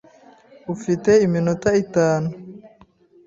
Ufite iminota itanu.